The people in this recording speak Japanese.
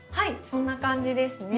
そんな感じですね。